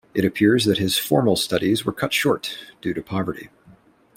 It appears that his formal studies were cut short due to poverty.